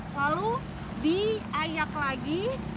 lalu diayak lagi